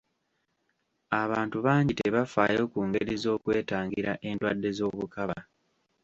Abantu bangi tebafaayo ku ngeri z'okwetangira endwadde z'obukaba.